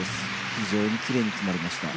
非常にきれいに決まりました。